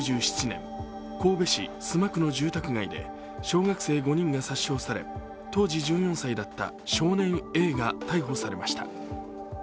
神戸市須磨区の住宅街で小学生５人が殺傷され当時１４歳だった少年Ａが逮捕されました。